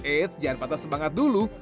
eits jangan patah semangat dulu